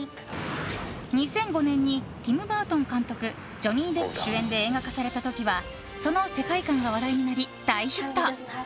２００５年にティム・バートン監督ジョニー・デップ主演で映画化された時はその世界観が話題になり大ヒット。